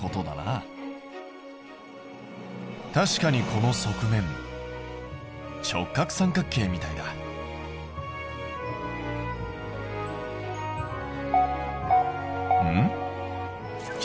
確かにこの側面直角三角形みたいだ。んっ？